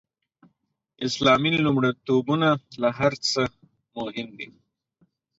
اسلامي لومړیتوبونه تر هر څه مهم دي.